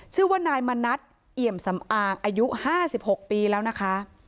ชื่อว่านายมณัฐเอี่ยมสำอางอายุ๕๖ปีแล้วนะคะ